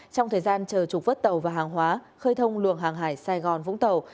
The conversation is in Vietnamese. trong thời gian chờ trục vớt tàu và hàng hóa khơi thông luồng hàng hải sài gòn vũng tàu